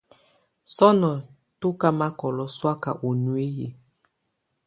Sɔnɔ tú ká makɔlɔ sɔ̀áka ú nuiyi.